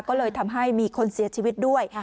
ก็เลยทำให้มีคนเสียชีวิตด้วย